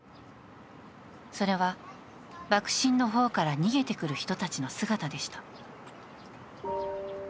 それは、爆心の方から逃げてくる人たちの姿でした。